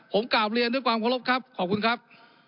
ผมกราบเรียนด้วยความเคารพครับขอบคุณครับ